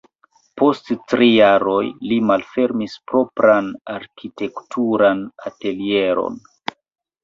Post tri jaroj li malfermis propran arkitekturan atelieron.